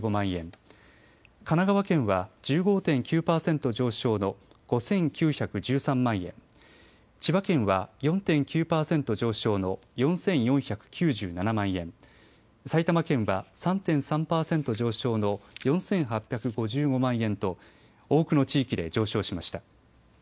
神奈川県は１５．９％上昇の５９１３万円、千葉県は４．９％上昇の４４９７万円、埼玉県は３．３％上昇の４８５５万円と多くの地域で上昇しました。